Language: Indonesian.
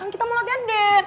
kita mau latihan dance